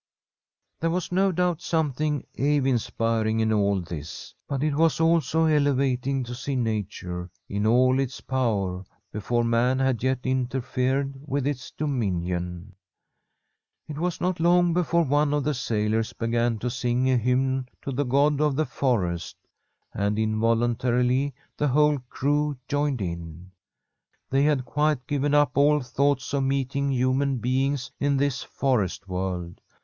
There was no doubt something awe inspiring in all this, but it was also elevating to see nature in all its power before man had yet interfered with its dominion. It was not long before one of the sailors began to sing a hymn to the God of the Forest, and involuntarily the whole crew joined in. They had quite given up all thought of meeting human beings in this forest world.